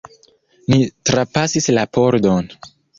Ni trapasis la pordon.